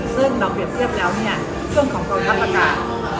ซึ่งเราเปรียบเทียบเครื่องของครอบครับประการ